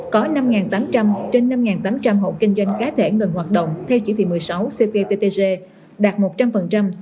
có năm tám trăm linh trên năm tám trăm linh hộ kinh doanh cá thể ngừng hoạt động theo chỉ thị một mươi sáu cptg đạt một trăm linh